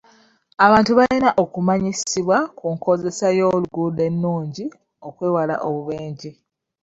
Abantu balina okumanyisibwa ku nkozesa y'oluguudo ennungi okwewala obubenje.